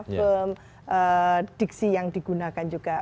film diksi yang digunakan juga